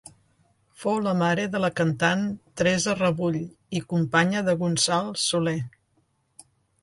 Fou la mare de la cantant Teresa Rebull i companya de Gonçal Soler.